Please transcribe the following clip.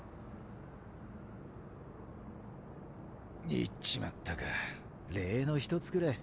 行っちまったか礼の一つくらい。